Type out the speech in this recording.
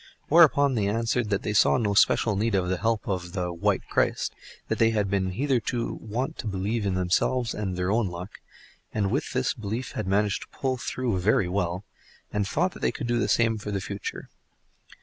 Whereupon they answered that they saw no special need of the help of the "White Christ"; that they had been hitherto wont to believe in themselves and their own luck, and with this belief had managed to pull through very well, and thought they could do the same for the future.